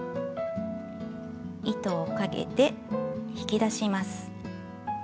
糸をかけて引き出します。